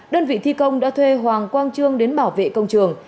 đơn vị thi công đã thuê hoàng quang trương đến bảo vệ công trường